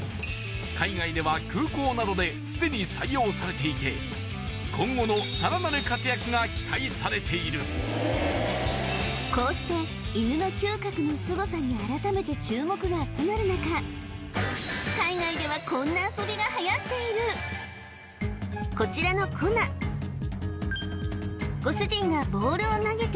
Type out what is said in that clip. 海外では空港などで既に採用されていて今後のさらなる活躍が期待されているこうして犬の嗅覚のすごさに改めて注目が集まる中海外ではこんな遊びがはやっているこちらのコナご主人がボールを投げて